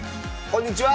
こんにちは。